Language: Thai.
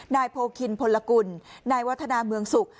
นายโพคินพลกุลนายวัฒนาเมืองสุข